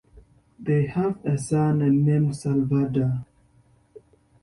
They have a son named Salvador.